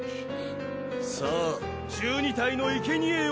さぁ１２体のいけにえよ！